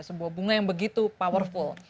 sebuah bunga yang begitu powerful